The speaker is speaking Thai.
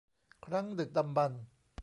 ครั้งดึกดำบรรพ์